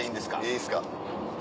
いいですか。